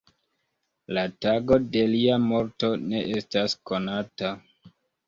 La tago de lia morto ne estas konata.